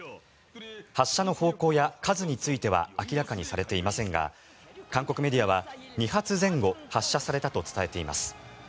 発射の方向や数については明らかにされていませんが韓国メディアは２発前後発射されたと伝えています。